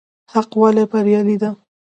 حق ولې بريالی دی؟